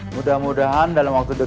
mudah mudahan dalam waktu dekat